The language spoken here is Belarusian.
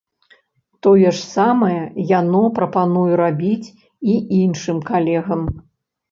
Тое ж самае яно прапануе рабіць і іншым калегам.